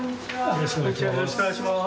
よろしくお願いします。